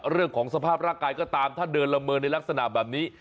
เรื่องของสภาพร่างกายก็ตามถ้าเดินละเมินในลักษณะแบบนี้